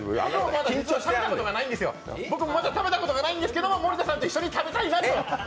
僕もまだ食べたことがないんですけど、森田さんと一緒にたべたいなと。